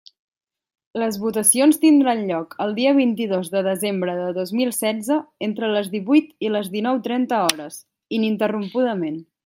Les votacions tindran lloc el dia vint-i-dos de desembre de dos mil setze, entre les divuit i les dinou trenta hores, ininterrompudament.